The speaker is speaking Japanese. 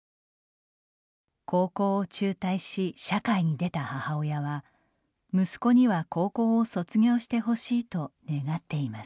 高校を中退し社会に出た母親は息子には高校を卒業してほしいと願っています。